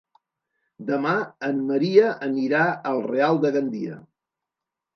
Demà en Maria anirà al Real de Gandia.